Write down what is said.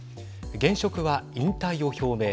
現職は引退を表明。